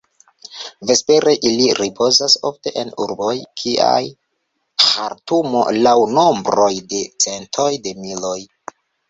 Vespere ili ripozas, ofte en urboj kiaj Ĥartumo, laŭ nombroj de centoj de miloj.